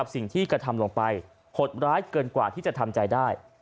สิ่งที่กระทำลงไปหดร้ายเกินกว่าที่จะทำใจได้